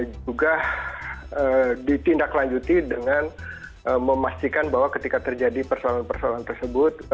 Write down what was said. juga ditindaklanjuti dengan memastikan bahwa ketika terjadi persoalan persoalan tersebut